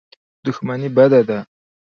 دښمني بده ده.